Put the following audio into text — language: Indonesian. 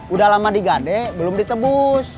udah lama digade belum ditebus